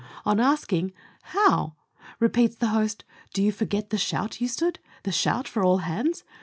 On asking how " How ?"repeats the host, "do you forget the shout you stood the shout for all hands